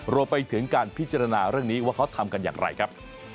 รวมไปถึงการพิจารณาเรื่องนี้ว่าเขาทำกันอย่างไรครับ